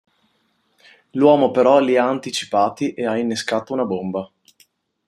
L'uomo però li ha anticipati e ha innescato una bomba.